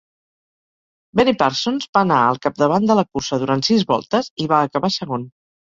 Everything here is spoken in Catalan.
Benny Parsons va anar al capdavant de la cursa durant sis voltes i va acabar segon.